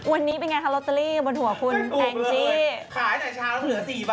วันนี้เป็นไงค่ะโรตเตอรี่บนหัวคุณแองจิ